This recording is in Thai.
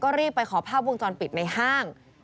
รีบไปขอภาพวงจรปิดในห้าง